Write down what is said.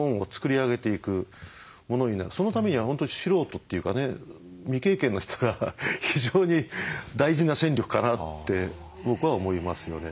そのためには本当素人っていうかね未経験の人が非常に大事な戦力かなって僕は思いますよね。